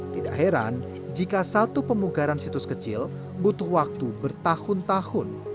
tidak heran jika satu pemugaran situs kecil butuh waktu bertahun tahun